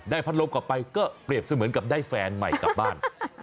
พัดลมกลับไปก็เปรียบเสมือนกับได้แฟนใหม่กลับบ้าน